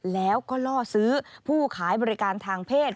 แล้วก็ล่อซื้อผู้ขายบริการทางเพศ